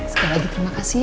sekali lagi terima kasih